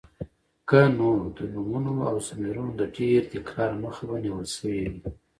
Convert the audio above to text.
که نو د نومونو او ضميرونو د ډېر تکرار مخه به نيول شوې وې.